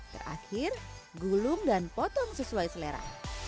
terakhir gulung dan potong sesuai selera